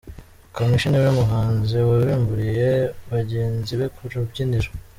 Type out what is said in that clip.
Kamichi niwe muhanzi wabimburiye bagenzi be ku rubyiniro.